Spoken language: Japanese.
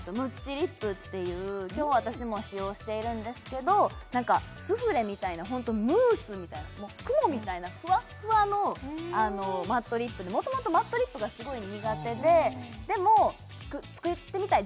リップっていう今日私も使用しているんですけど何かスフレみたいなホントムースみたいな雲みたいなふわっふわのマットリップでもともとマットリップがすごい苦手ででも作ってみたい